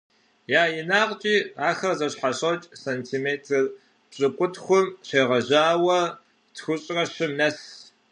Я инагъкIи ахэр зэщхьэщокI сантиметр пщыкIутхум щегъэжьауэ тхущIрэ щым нэс.